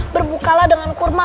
berbukalah dengan kurma